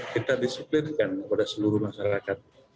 kita disiplinkan kepada seluruh masyarakat